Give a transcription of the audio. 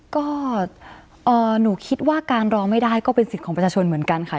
ก็หนูคิดว่าการร้องไม่ได้ก็เป็นสิทธิ์ของประชาชนเหมือนกันค่ะ